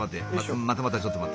またまたちょっと待って。